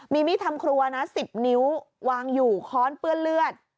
มีมีดทำครัวนะ๑๐นิ้ววางอยู่ค้อนเปื้อนเลือด